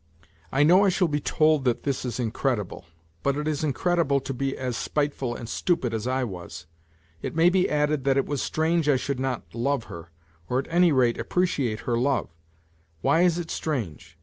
I know I shall be told that this is incredible but it is incredible to be as spiteful and stupid as I was ; it may be added that it was strange I should not love her, or at any rate, appreciate her Why is it strange